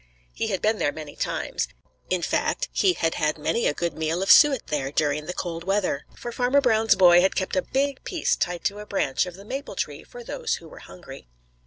He had been there many times. In fact, he had had many a good meal of suet there during the cold weather, for Farmer Brown's boy had kept a big piece tied to a branch of the maple tree for those who were hungry.